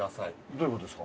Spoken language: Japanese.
どういうことですか？